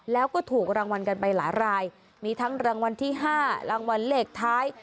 แล้วก็ถูกรางวัลกันไปหลายรายมีทั้งรางวัลที่๕รางวัลเลขท้าย